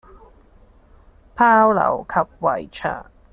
炮樓及圍牆